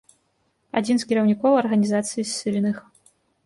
Адзін з кіраўнікоў арганізацыі ссыльных.